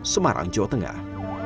semarang jawa tengah